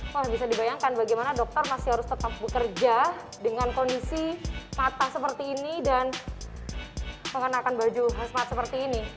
wah bisa dibayangkan bagaimana dokter masih harus tetap bekerja dengan kondisi mata seperti ini dan mengenakan baju khas mat seperti ini